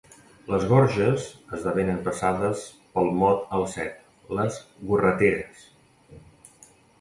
«Les gorges» esdevenen, passades pel mot al set, «Les gorreteres».